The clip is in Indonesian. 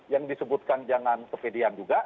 yang disebutkan jangan kepedian juga